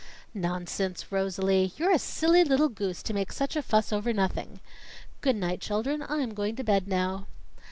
"Nonsense, Rosalie! You're a silly little goose to make such a fuss over nothing. Good night, children. I'm going to bed now."